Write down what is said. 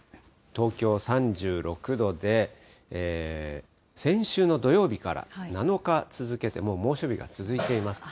東京３６度で、先週の土曜日から７日続けて猛暑日が続いています。